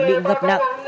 bị ngập nặng